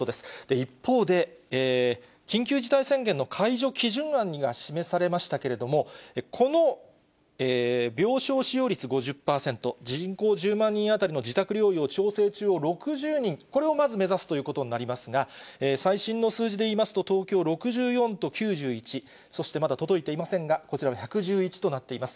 一方で、緊急事態宣言の解除基準案には示されましたけれども、この病床使用率５０％、人口１０万人当たりの自宅療養・調整中を６０人、これをまず目指すということになりますが、最新の数字でいいますと、東京６４と９１、そしてまだ届いていませんが、こちらは１１１となっています。